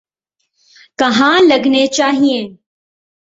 کہاں لگنے چاہئیں۔